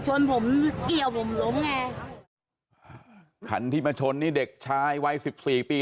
ชนผมเกี่ยวผมล้มไงคันที่มาชนนี่เด็กชายวัยสิบสี่ปี